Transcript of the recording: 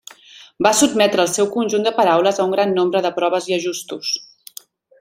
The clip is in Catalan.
Va sotmetre el seu conjunt de paraules a un gran nombre de proves i ajustos.